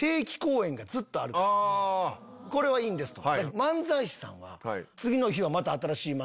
「これはいいんです」と。